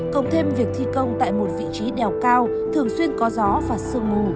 cộng thêm việc thi công tại một vị trí đèo cao thường xuyên có gió và sương mù